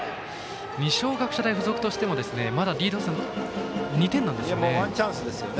二松学舎大付属としてもまだリードは２点ですね。